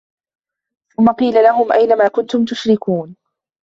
ثُمَّ قِيلَ لَهُمْ أَيْنَ مَا كُنْتُمْ تُشْرِكُونَ